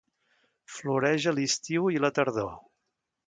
Floreix a l'estiu i la tardor.